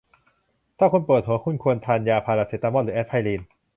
ถ้าคุณปวดหัว คุณควรทานยาพาราเซตามอลหรือแอสไพริน